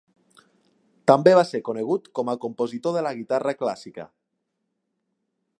També va ser conegut com a compositor de la guitarra clàssica.